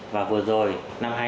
và vừa rồi năm hai nghìn